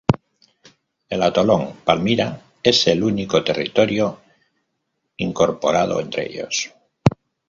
El atolón Palmyra es el único territorio incorporado entre ellos.